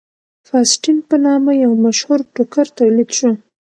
فاسټین په نامه یو مشهور ټوکر تولید شو.